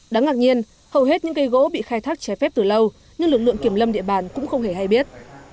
đáng ngạc nhiên hầu hết những cây gỗ bị khai thác trái phép từ lâu nhưng lực lượng kiểm lâm địa bàn cũng không hề hay biết